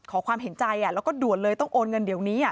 ขอความเห็นใจแล้วก็ด่วนเลยต้องโอนเงินเดี๋ยวนี้